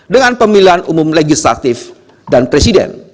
dengan pemilihan umum legislatif dan presiden